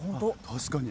確かに。